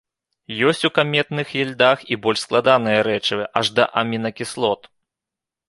Ёсць у каметных ільдах і больш складаныя рэчывы, аж да амінакіслот.